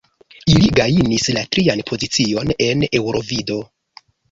Ili gajnis la trian pozicion en Eŭrovido.